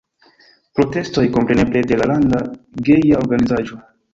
Protestoj, kompreneble, de la landa geja organizaĵo.